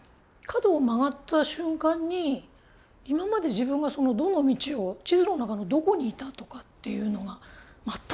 角を曲がった瞬間に今まで自分がどの道を地図の中のどこにいたとかっていうのが全く分からなくなってしまったり。